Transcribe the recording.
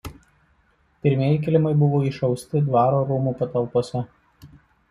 Pirmieji kilimai buvo išausti dvaro rūmų patalpose.